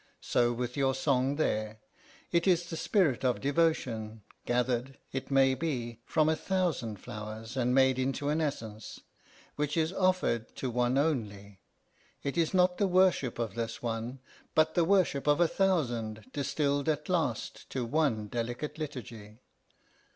So with your song there. It is the spirit of devotion, gathered, it may be, from a thousand flowers, and made into an essence, which is offered to one only. It is not the worship of this one, but the worship of a thousand distilled at last to one delicate liturgy.